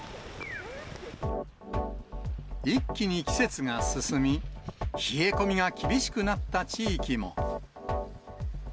一気に季節が進み、冷え込みが厳しくなった地域も。